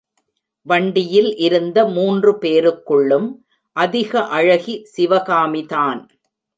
வண்டியில் இருந்த மூன்று பேருக்குள்ளும் அதிக அழகி சிவகாமிதான்.